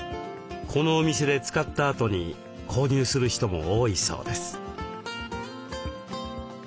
このお店で使ったあとに購入する人も多いそうです。